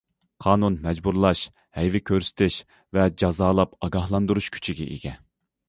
قانۇن مەجبۇرلاش، ھەيۋە كۆرسىتىش ۋە جازالاپ ئاگاھلاندۇرۇش كۈچىگە ئىگە.